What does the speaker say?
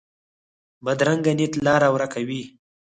بدرنګه نیت لار ورکه وي